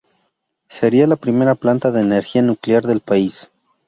Sería la primera planta de energía nuclear del país.